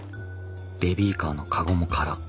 ベビーカーのカゴも空。